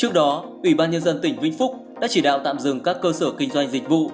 trước đó ủy ban nhân dân tỉnh vĩnh phúc đã chỉ đạo tạm dừng các cơ sở kinh doanh dịch vụ